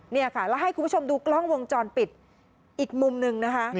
นี่ค่ะแล้วให้คุณผู้ชมดูกล้องวงจรปิดอีกมุมหนึ่งนะคะ